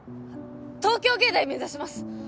東京藝大目指します